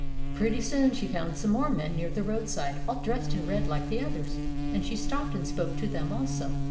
Pretty soon she found some more men near the roadside, all dressed in red like the others ; and she stopped and spoke to them also.